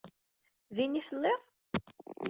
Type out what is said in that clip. Din i telliḍ?